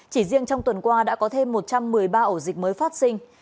chỉ riêng trong tuần qua đã có thêm một trăm một mươi ba ổ dịch mới phát sinh